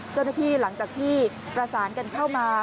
เจ้าหน้าที่หลังจากที่ประสานกันเข้ามา